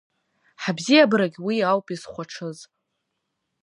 Ҳабзиабарагь уи ауп изхәаҽыз.